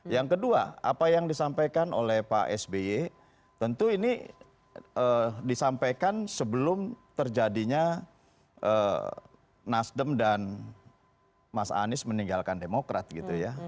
yang kedua apa yang disampaikan oleh pak sby tentu ini disampaikan sebelum terjadinya nasdem dan mas anies meninggalkan demokrat gitu ya